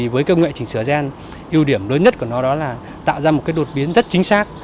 với công nghệ chỉnh sửa gen ưu điểm lớn nhất của nó là tạo ra một đột biến rất chính xác